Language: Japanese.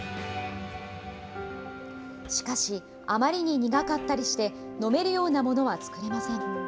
しかし、あまりに苦かったりして、飲めるようなものは作れません。